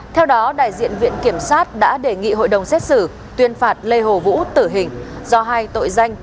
theo đó đại diện viện kiểm sát đã đề nghị hội đồng xét xử tuyên phạt lê hồ vũ tử hình do hai tội danh